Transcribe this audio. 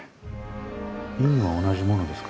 印は同じものですか？